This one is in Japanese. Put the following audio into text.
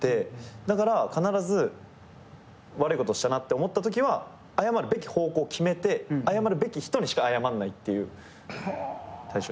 だから必ず悪いことしたなって思ったときは謝るべき方向を決めて謝るべき人にしか謝んないっていう対処してます。